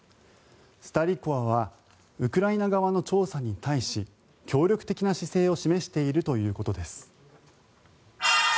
スタリコワはウクライナ側の調査に対し協力的な姿勢を示しているということです。